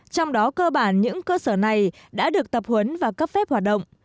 trong đó cơ bản những cơ sở này đã được tập huấn và cấp phép hoạt động